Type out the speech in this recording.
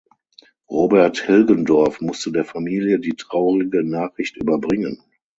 Robert Hilgendorf musste der Familie die traurige Nachricht überbringen.